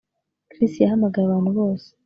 Chris yahamagaye abantu bose